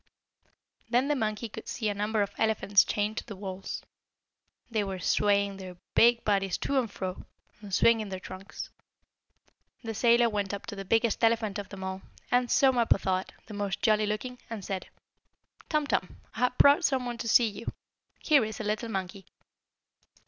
Then the monkey could see a number of elephants chained to the walls. They were swaying their big bodies to and fro, and swinging their trunks. The sailor went up to the biggest elephant of them all, and, so Mappo thought, the most jolly looking, and said: "Tum Tum, I have brought some one to see you. Here is a little monkey."